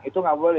itu tidak boleh